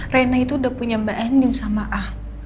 reina itu udah punya mbak ending sama a